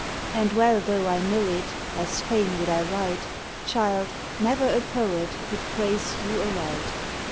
And well though I know it, As fain would I write, Child, never a poet Could praise you aright.